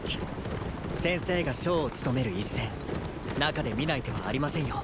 先生が将を務める一戦中で見ない手はありませんよ。